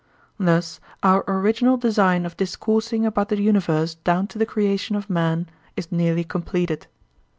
Thus our original design of discoursing about the universe down to the creation of man is nearly completed.